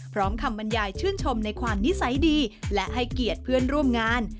คำบรรยายชื่นชมในความนิสัยดีและให้เกียรติเพื่อนร่วมงาน